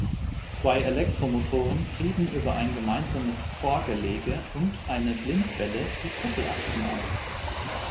Zwei Elektromotoren trieben über ein gemeinsames Vorgelege und eine Blindwelle die Kuppelachsen an.